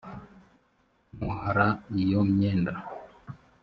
muhara iyo myenda